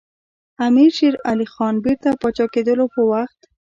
د امیر شېر علي خان بیرته پاچا کېدلو په وخت.